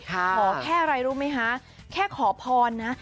ขอแค่อะไรรู้ไหมคะแค่ขอพรนะ